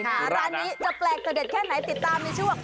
ร้านนี้จะแปลกจะเด็ดแค่ไหนติดตามในช่วง